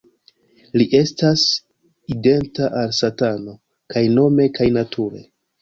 Li estas identa al Satano kaj nome kaj nature.